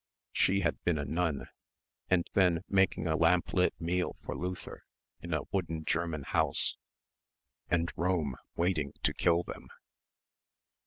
She had been a nun ... and then making a lamplit meal for Luther in a wooden German house ... and Rome waiting to kill them.